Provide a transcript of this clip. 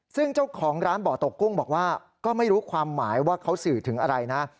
ซึ่งเจ้าของร้านบ่อตกกุ้งบอกว่าก็ไม่รู้ความหมายว่าเขาสื่อถึงอะไรนะ